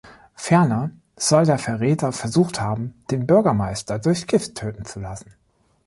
Ferner soll der Verräter versucht haben, den Bürgermeister durch Gift töten zu lassen.